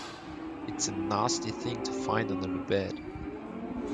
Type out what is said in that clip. It’s a nasty thing to find under the bed.